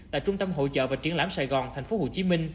tại trung tâm hỗ trợ và triển lãm sài gòn tp hcm